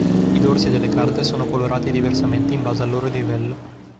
I dorsi delle carte sono colorati diversamente in base al loro livello.